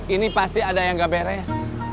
ini pasti ada yang gak beres